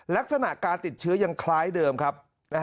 ลักษณะการติดเชื้อยังคล้ายเดิมครับ